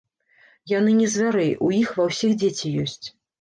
Яны не звяры, у іх ва ўсіх дзеці ёсць.